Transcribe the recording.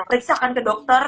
riksakan ke dokter